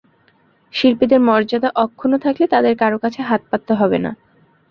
শিল্পীদের মর্যাদা অক্ষুণ্ন থাকলে তাঁদের কারও কাছে হাত পাততে হবে না।